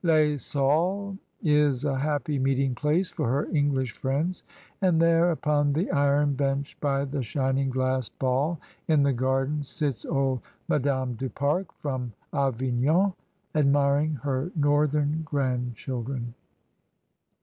"Les Saules" is a happy meeting place for her English friends, and there upon the iron bench by the shining glass ball in the garden sits old Madame du Pare from Avignon admiring her northern grandchildren.